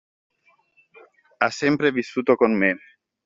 Ha sempre vissuto con me.